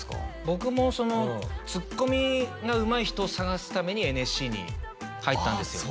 僕もツッコミがうまい人を探すためにＮＳＣに入ったんですよ